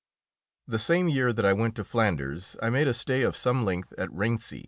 The same year that I went to Flanders I made a stay of some length at Raincy.